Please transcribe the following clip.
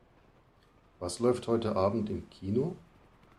Was läuft heute Abend im Kino?